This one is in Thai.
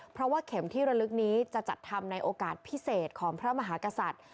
เพราะว่าเข็มที่ระลึกนี้จะจัดทำในโอกาสพิเศษของพระมหากษัตริย์